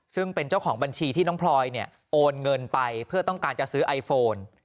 ซึ่งเป็นเจ้าของบัญชีที่น้องพลอยโอนเงินไปเพื่อต้องการจะซื้อไอโฟน